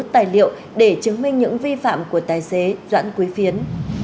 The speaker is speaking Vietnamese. tài liệu để chứng minh những vi phạm của tài xế doãn quý phiến